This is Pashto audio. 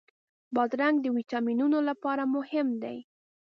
بادرنګ د ویټامینونو لپاره مهم دی.